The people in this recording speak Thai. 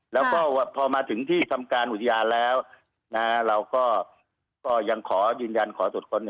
แล้วก็พอมาถึงที่ทำการอุทยานแล้วเราก็ยังขอยืนยันขอตรวจค้น